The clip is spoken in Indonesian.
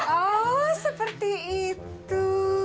oh seperti itu